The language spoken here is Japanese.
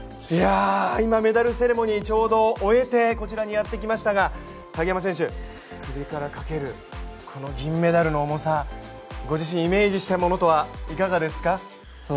今メダルセレモニーをちょうど終えてこちらにやってきましたが鍵山選手、首からかけるこの銀メダルの重さご自身、イメージしたものとはいかがですか？